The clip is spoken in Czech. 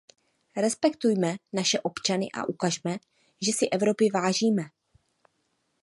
Respektujme naše občany a ukažme, že si Evropy vážíme!